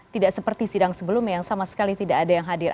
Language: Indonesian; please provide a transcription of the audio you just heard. tidak seperti sidang sebelumnya yang sama sekali tidak ada yang hadir